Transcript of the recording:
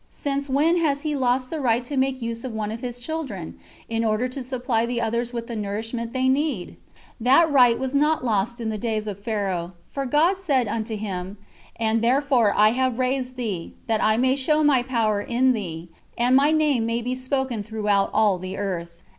Since when has He lost the right to make use of one of His children, in order to supply the others with the nourishment they need? That right was not lost in the days of Pharaoh, for God said unto him: "And therefore have I raised thee, that I may show My power in thee, and My name may be spoken of throughout all the earth."